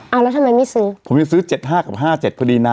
เอาแล้วทำไมไม่ซื้อผมยังซื้อเจ็ดห้ากับห้าเจ็ดพอดีนะ